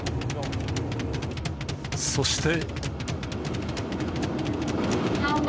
そして。